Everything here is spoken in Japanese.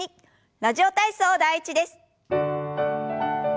「ラジオ体操第１」です。